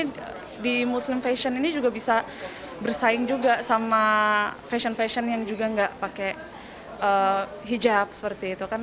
karena di muslim fashion ini juga bisa bersaing juga sama fashion fashion yang juga nggak pakai hijab seperti itu kan